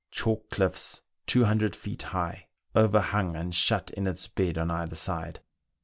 Chalk cliffs, 200 feet high, overhung and shut in its bed on either side.